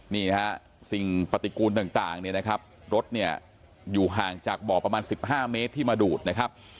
นี่นะครับสิ่งปฏิกูลต่างรถอยู่ห่างจากบ่อประมาณ๑๕เมตรที่มาดูดนะครับ